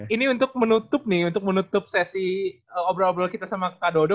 ini untuk menutup nih untuk menutup sesi obrol obrol kita sama kak dodo